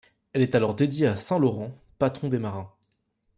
Elle est alors dédiée à saint Laurent, patron des marins.